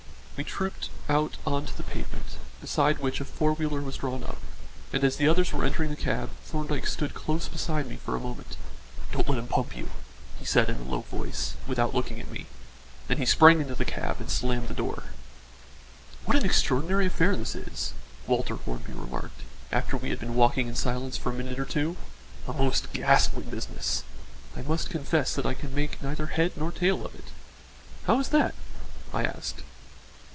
We trooped out on to the pavement, beside which a four wheeler was drawn up, and as the others were entering the cab, Thorndyke stood close beside me for a moment. "Don't let him pump you," he said in a low voice, without looking at me; then he sprang into the cab and slammed the door. "What an extraordinary affair this is," Walter Hornby remarked, after we had been walking in silence for a minute or two; "a most ghastly business. I must confess that I can make neither head nor tail of it." "How is that?" I asked.